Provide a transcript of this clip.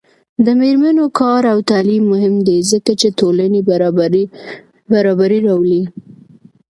د میرمنو کار او تعلیم مهم دی ځکه چې ټولنې برابري راولي.